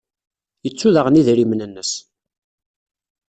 Yettu daɣen idrimen-nnes.